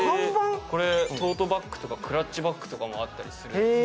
トートバッグとかクラッチバッグとかもあったりするんです。